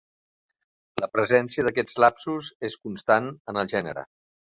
La presència d'aquests lapsus és constant en el gènere.